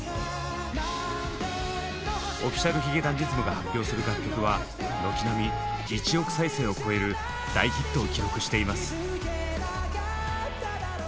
Ｏｆｆｉｃｉａｌ髭男ｄｉｓｍが発表する楽曲は軒並み１億再生を超える大ヒットを記録しています。